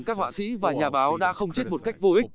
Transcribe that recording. các họa sĩ và nhà báo đã không chết một cách vô ích